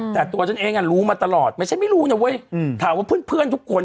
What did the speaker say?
แต่ตัวฉันเองรู้มาตลอดไม่ใช่ไม่รู้นะเว้ยถามว่าเพื่อนทุกคน